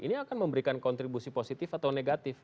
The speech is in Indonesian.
ini akan memberikan kontribusi positif atau negatif